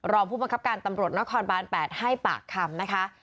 รองผู้บังคับการตำรวจนครบาน๘ให้ปากคำนะคะ